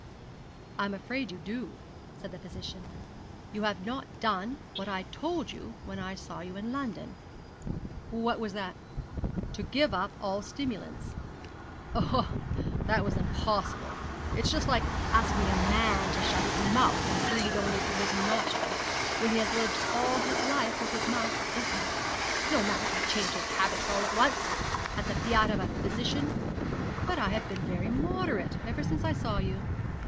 'I'm afraid you do,' said the physician. 'You have not done what I told you when I saw you in London.' 'What was that?' 'To give up all stimulants.' 'Oh, that was impossible! It's just like asking a man to shut his mouth, and breathe only through his nostrils, when he has lived all his life with his mouth open. No man can change his habits all at once, at the fiat of a physician. But I have been very moderate ever since I saw you.'